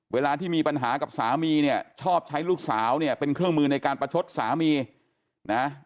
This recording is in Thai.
เวลาที่มีปัญหากับสามีเนี่ยชอบใช้ลูกสาวเนี่ยเป็นเครื่องมือในการประชดสามีนะ